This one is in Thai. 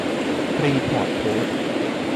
รีพอร์ตโพสต์